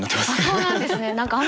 そうなんですね